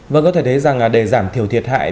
vâng có thể thấy rằng để giảm thiểu thiệt hại